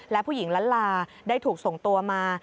และผู้หญิงล้านลาได้ถูกส่งตัวมา